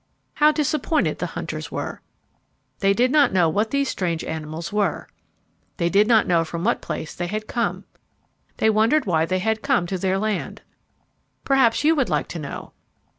How disappointed the hunters were! They did not know what these strange animals were. They did not know from what place they had come. They wondered why they had come to their land. Perhaps you would like to know.